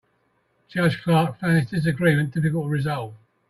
Judge Clark found this disagreement difficult to resolve.